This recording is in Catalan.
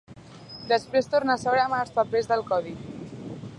Després torna a seure amb els papers del codi.